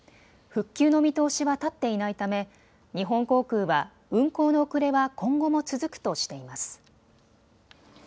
復旧の見通しは立っていないため日本航空は運航の遅れは今後も続くとしています。